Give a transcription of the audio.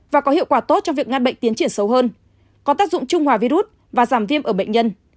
và có hiệu quả tốt trong việc ngăn bệnh tiến triển sâu hơn có tác dụng trung hòa virus và giảm viêm ở bệnh nhân